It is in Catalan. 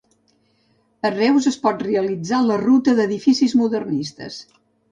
A Reus es pot realitzar la ruta d'edificis Modernistes.